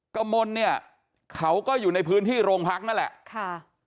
กระมนเนี่ยเขาก็อยู่ในพื้นที่โรงพักนั่นแหละค่ะ